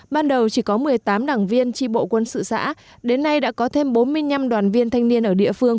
ban đầu chỉ có một mươi tám đảng viên tri bộ quân sự xã đến nay đã có thêm bốn mươi năm đoàn viên thanh niên ở địa phương